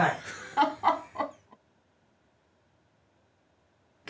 ハッハハハ。